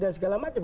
dan segala macam